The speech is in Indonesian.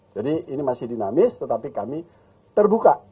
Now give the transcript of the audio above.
jadi ini masih dinamis tetapi kami terbuka